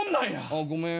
あっごめん。